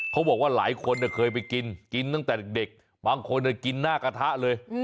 เขาบอกว่าหลายคนเคยไปกินกินตั้งแต่เด็กบางคนกินหน้ากระทะเลย